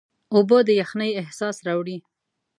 اوبه د یخنۍ احساس راوړي.